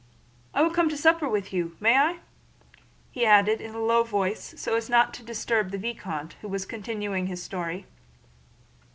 "I will come to supper with you. May I?" he added in a low voice so as not to disturb the vicomte who was continuing his story.